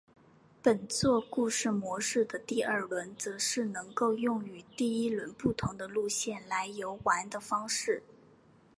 本作故事模式的第二轮则是能够用与第一轮不同的路线来游玩的方式。